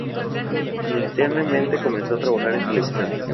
Simultáneamente comenzó a trabajar en televisión.